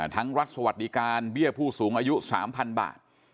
รัฐสวัสดิการเบี้ยผู้สูงอายุ๓๐๐๐บาท